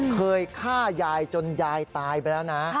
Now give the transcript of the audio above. เคยฆ่ายายจนยายตายไปแล้วนะ